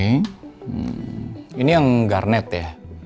ini yang garnet ya